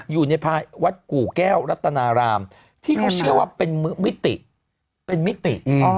อยู่ในวัดกู่แก้วรัตนารามที่เขาเชื่อว่าเป็นมิติ